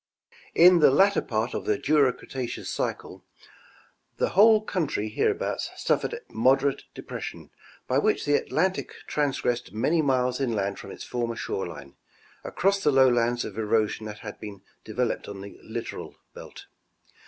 In the latter part of the Jura Cretaceous cycle, the whole country hereabout suffered a moderate depression, by which the Atlantic transgressed many miles inland from its former shore line, across the lowlands of erosion that had been developed on the litoral belt.